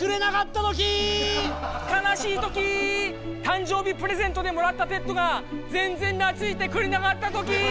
誕生日プレゼントでもらったペットが全然懐いてくれなかったときー！